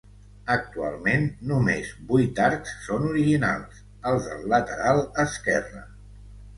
Actualment només vuit arcs són originals, els del lateral esquerre.